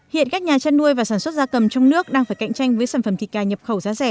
hiện các nhà chăn nuôi và sản xuất gia cầm trong nước đang phải cạnh tranh với sản phẩm thịt gà nhập khẩu giá rẻ